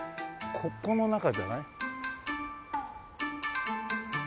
ここの中じゃない？